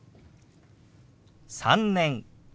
「３年」。